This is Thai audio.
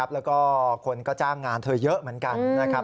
แล้วก็คนก็จ้างงานเธอเยอะเหมือนกันนะครับ